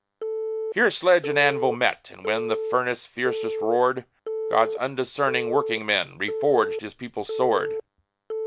Here sledge and anvil met, and when The furnace fiercest roared, God's undiscerning workingmen Reforged His people's sword.